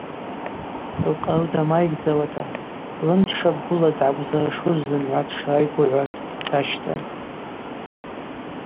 Лкъару дамайгьдзауата лымч шабгула дгӏакӏвзыршуз зымгӏва дшрайгвыгӏвуаш дащтан.